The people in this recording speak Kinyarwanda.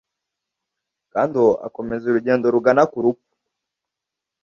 Kandi uwo akomeza urugendo rugana ku rupfu